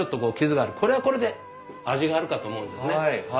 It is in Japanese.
これはこれで味があるかと思うんですね。